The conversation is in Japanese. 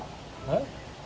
えっ？